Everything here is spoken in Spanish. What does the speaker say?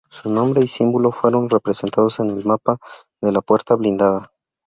Su nombre y símbolo fueron representados en el Mapa de la Puerta Blindada.